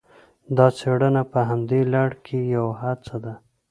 دا څېړنه په همدې لړ کې یوه هڅه ده